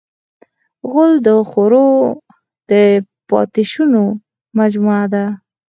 غول د خوړو د پاتې شونو مجموعه ده.